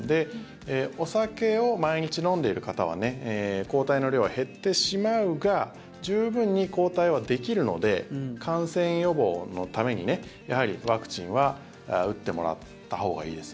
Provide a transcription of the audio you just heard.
お酒を毎日飲んでいる方は抗体の量は減ってしまうが十分に抗体はできるので感染予防のためにやはりワクチンは打ってもらったほうがいいです。